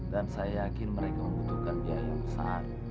dan saya yakin mereka membutuhkan biaya besar